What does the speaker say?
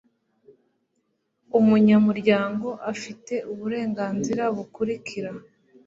umunyamuryango afite uburenganzira bukurikira